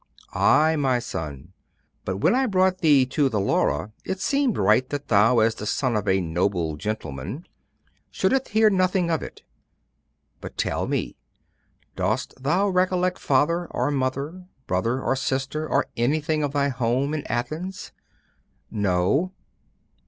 'I, my son: but when I brought thee to the Laura, it seemed right that thou, as the son of a noble gentleman, shouldest hear nothing of it. But tell me: dost thou recollect father or mother, brother or sister; or anything of thy home in Athens?' 'No.